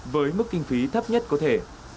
với mức kinh phí thấp nhất có thể